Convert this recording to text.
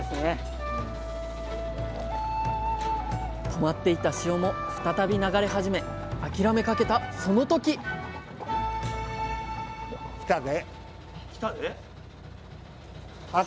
止まっていた潮も再び流れ始め諦めかけたその時あ